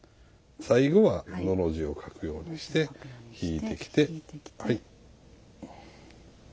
最後は「の」の字を書くようにして引いてきて。